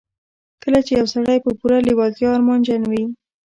کله چې يو سړی په پوره لېوالتیا ارمانجن وي.